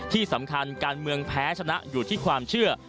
ที่สำคัญการเมืองแพ้ชนะอยู่ที่ความเชื่อ